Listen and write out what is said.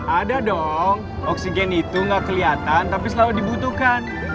ada dong oksigen itu gak kelihatan tapi selalu dibutuhkan